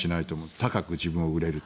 高く自分を売れる。